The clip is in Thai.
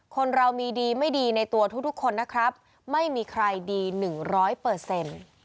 คนเรามีดีไม่ดีในตัวทุกทุกคนนะครับไม่มีใครดีหนึ่งร้อยเปอร์เซ็นต์